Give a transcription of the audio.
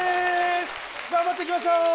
頑張っていきましょう！